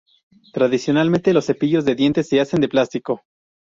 Tradicionalmente, los cepillos de dientes se hacen del plástico.